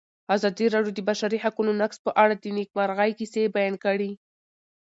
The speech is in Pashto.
ازادي راډیو د د بشري حقونو نقض په اړه د نېکمرغۍ کیسې بیان کړې.